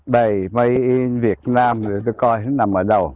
đây mây việt nam tôi coi nó nằm ở đâu